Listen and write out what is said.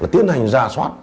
tiến hành ra soát